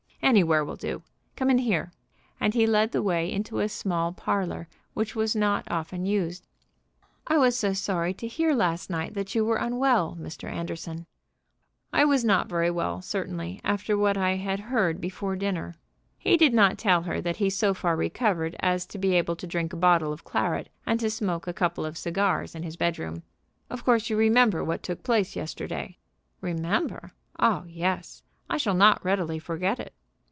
"Anywhere will do. Come in here," and he led the way into a small parlor which was not often used. "I was so sorry to hear last night that you were unwell, Mr. Anderson." "I was not very well, certainly, after what I had heard before dinner." He did not tell her that he so far recovered as to be able to drink a bottle of claret and to smoke a couple of cigars in his bedroom. "Of course you remember what took place yesterday." "Remember! Oh yes. I shall not readily forget it."